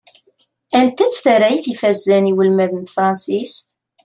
Anta-tt tarrayt ifazen i ulmad n tefransist?